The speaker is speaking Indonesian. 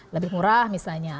lebih murah misalnya